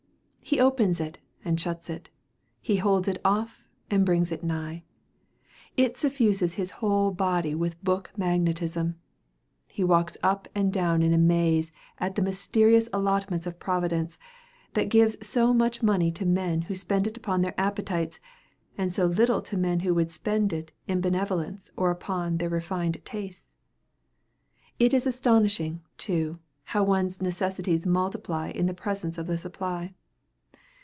He opens it and shuts it, he holds it off and brings it nigh. It suffuses his whole body with book magnetism. He walks up and down in a maze at the mysterious allotments of Providence, that gives so much money to men who spend it upon their appetites, and so little to men who would spend it in benevolence or upon their refined tastes! It is astonishing, too, how one's necessities multiply in the presence of the supply.